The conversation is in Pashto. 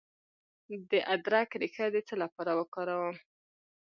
د ادرک ریښه د څه لپاره وکاروم؟